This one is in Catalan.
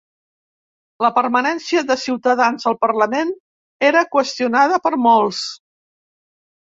La permanència de Ciutadans al Parlament era qüestionada per molts.